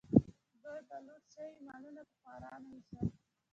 دوی به لوټ شوي مالونه په خوارانو ویشل.